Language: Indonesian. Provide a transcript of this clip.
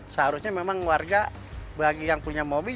seharusnya memang warga bagi yang punya mobil